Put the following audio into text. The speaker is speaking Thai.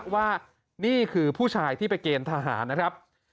ว่านี่คือผู้ชายที่ไปเกณฑ์ทหารนะครับ